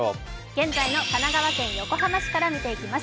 現在の神奈川県横浜市から見ていきます。